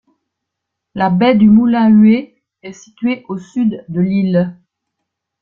La baie du Moulin Huet est située au sud de l'île.